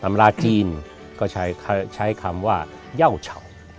ราจีนก็ใช้คำว่าเย่าเฉา